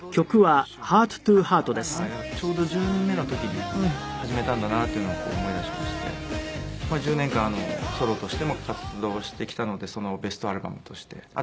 ちょうど１０年目の時に始めたんだなっていうのを思い出しまして１０年間ソロとしても活動してきたのでそのベストアルバムとして。すごいね。